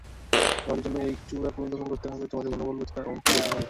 আমাদের জন্য এই চূড়া পুনর্দখল করতে তোমাদের মনোবলের প্রতিটা আউন্স প্রয়োজন হবে।